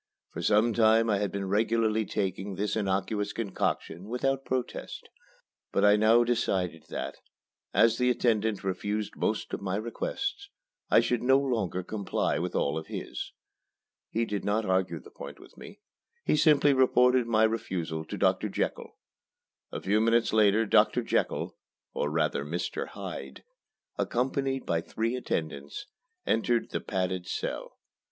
For some time I had been regularly taking this innocuous concoction without protest; but I now decided that, as the attendant refused most of my requests, I should no longer comply with all of his. He did not argue the point with me. He simply reported my refusal to Doctor Jekyll. A few minutes later Doctor Jekyll or rather Mr. Hyde accompanied by three attendants, entered the padded cell.